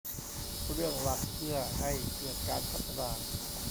เรื่องหลักเพื่อให้เกิดการพัฒนา